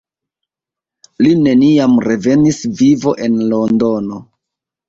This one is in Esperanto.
Li neniam revenis vivo en Londono.